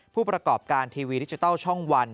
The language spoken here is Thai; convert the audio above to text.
ผู้ประกอบการทีวีดิจิทัลช่องวัน